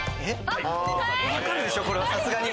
分かるでしょこれはさすがに。